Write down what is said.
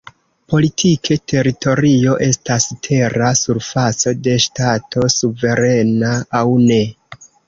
Politike, teritorio estas tera surfaco de Ŝtato, suverena aŭ ne.